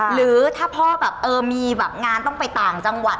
หรือถ้าพ่อมีงานต้องไปต่างจังหวัด